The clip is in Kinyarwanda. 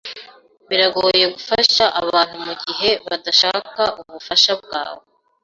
Biragoye gufasha abantu mugihe badashaka ubufasha bwawe.